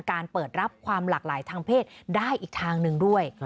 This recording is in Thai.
เปิดรับความหลากหลายทางเพศได้อีกทางหนึ่งด้วย